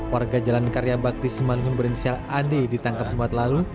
warga jalan karya bakti simalungun berinsial ad ditangkap tempat lalu